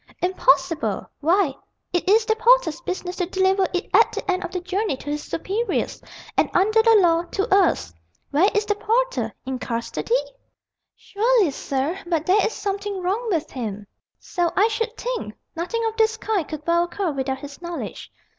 "Impossible! Why, it is the porter's business to deliver it at the end of the journey to his superiors, and under the law to us. Where is the porter? In custody?" "Surely, sir, but there is something wrong with him." "So I should think! Nothing of this kind could well occur without his knowledge.